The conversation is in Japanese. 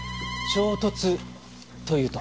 衝突というと？